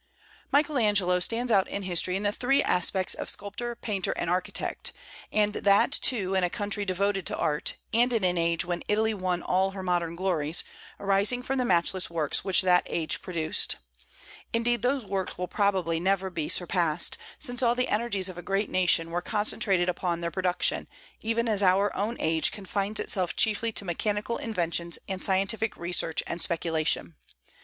Michael Angelo stands out in history in the three aspects of sculptor, painter, and architect; and that too in a country devoted to art, and in an age when Italy won all her modern glories, arising from the matchless works which that age produced. Indeed, those works will probably never be surpassed, since all the energies of a great nation were concentrated upon their production, even as our own age confines itself chiefly to mechanical inventions and scientific research and speculation.